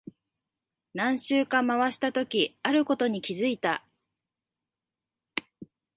何周か回したとき、あることに気づいた。